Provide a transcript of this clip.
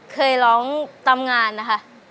เคยร้องตามงานนะคะ